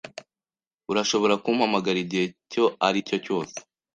Urashobora kumpamagara igihe icyo aricyo cyose.